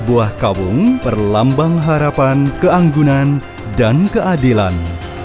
sebuah kawung perlambang harapan keanggunan dan keadilan